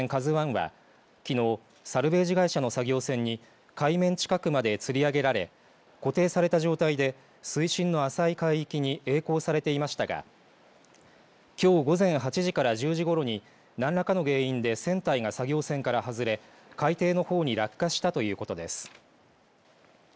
ＫＡＺＵＩはきのうサルベージ会社の作業船に海面近くまでつり上げられ固定された状態で水深の浅い海域にえい航されていましたがきょう午前８時から１０時ごろに何らかの原因で船体が作業船から外れ海底のほうに落下したということです。